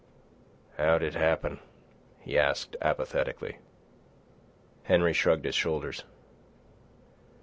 "How'd it happen?" he asked apathetically. Henry shrugged his shoulders.